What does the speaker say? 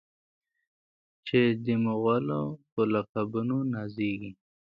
چې د مغلو په لقبونو نازیږي.